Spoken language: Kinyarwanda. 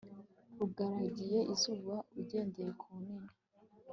rugaragiye izuba ugendeye ku bunini